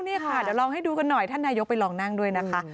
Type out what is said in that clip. นี่ค่ะเดี๋ยวลองให้ดูกันหน่อยท่านนายกไปลองนั่งด้วยนะคะ